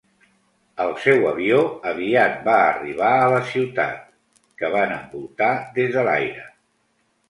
El seu avió aviat va arribar a la ciutat, que van envoltar des de l'aire.